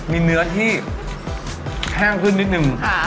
มีเนื้อที่แห้งขึ้นนิดนึง